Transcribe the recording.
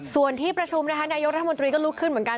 ส่วนที่ประชุมนะคะนายกรัฐมนตรีก็ลุกขึ้นเหมือนกัน